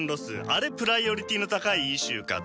あれプライオリティーの高いイシューかと。